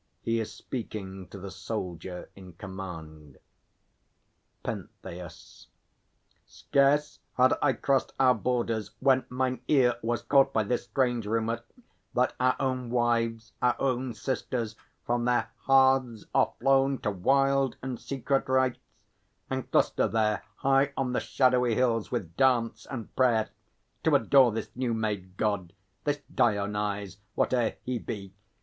He is speaking to the_ SOLDIER in command. PENTHEUS. Scarce had I crossed our borders, when mine ear Was caught by this strange rumour, that our own Wives, our own sisters, from their hearths are flown To wild and secret rites; and cluster there High on the shadowy hills, with dance and prayer To adore this new made God, this Dionyse, Whate'er he be!